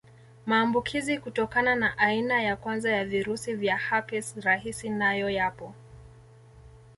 Maambukizi kutokana na aina ya kwanza ya virusi vya herpes rahisi nayo yapo